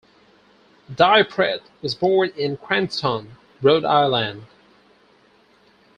DiPrete was born in Cranston, Rhode Island.